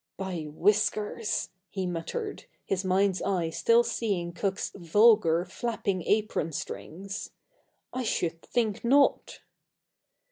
"By Whiskers!" he muttered, his mind's eye still seeing Cook's vulgar, flapping apron strings; "I should think not!"